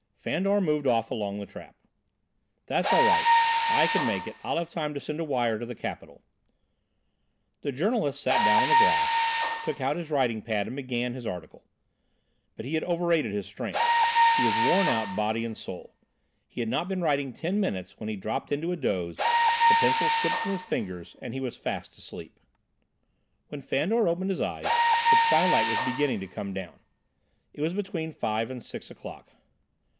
Fandor moved off along the track. "That's all right, I can make it. I'll have time to send a wire to The Capital." The journalist sat down on the grass, took out his writing pad and began his article. But he had overrated his strength. He was worn out, body and soul. He had not been writing ten minutes when he dropped into a doze, the pencil slipped from his fingers and he was fast asleep. When Fandor opened his eyes, the twilight was beginning to come down. It was between five and six o'clock.